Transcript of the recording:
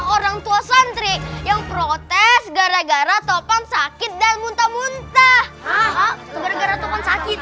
orang tua santri yang protes gara gara topan sakit dan muntah muntah hah gara gara topan sakit